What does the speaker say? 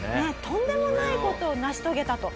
とんでもない事を成し遂げたと。